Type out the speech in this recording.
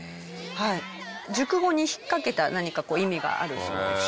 熟語に引っかけた何か意味があるそうです。